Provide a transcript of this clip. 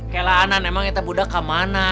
keleanan emang teh budak kemana